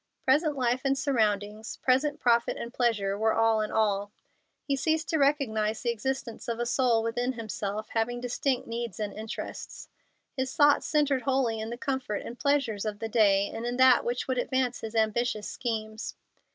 Present life and surroundings, present profit and pleasure, were all in all. He ceased to recognize the existence of a soul within himself having distinct needs and interests. His thoughts centred wholly in the comfort and pleasures of the day and in that which would advance his ambitious schemes.